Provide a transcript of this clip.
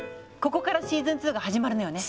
ここからシーズン２が始まるのよね。